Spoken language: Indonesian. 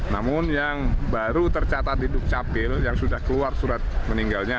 namun yang baru tercatat di dukcapil yang sudah keluar surat meninggalnya